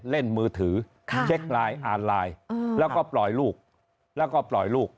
เล่นมือถือเช็คไลน์อ่านไลน์แล้วก็ปล่อยลูกแล้วก็ปล่อยลูก